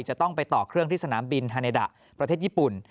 จะต้องไปต่อเครื่องที่สนามบินฮาเนดะประเทศญี่ปุ่น